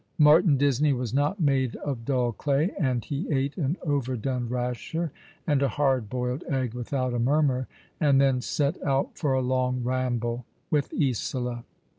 Martin Disney was not made of dull clay, and he ate an overdone rasher and a hard boiled egg without a murmur, and then set out for a long ramble with Isola.